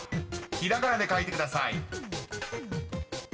［ひらがなで書いてください］